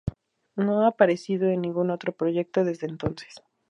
No ha aparecido en ningún otro proyecto desde entonces.